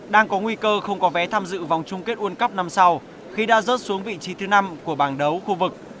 đang có nguy cơ không có vé tham dự vòng chung kết world cup năm sau khi đã rớt xuống vị trí thứ năm của bảng đấu khu vực